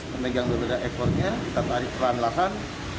memegang dua dua ekornya kita tarik perlahan lahan